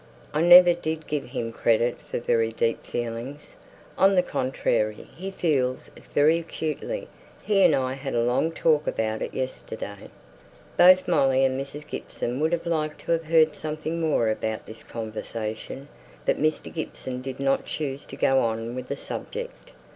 "I never did give him credit for very deep feelings." "On the contrary, he feels it very acutely. He and I had a long talk about it, yesterday." Both Molly and Mrs. Gibson would have liked to have heard something more about this conversation; but Mr. Gibson did not choose to go on with the subject.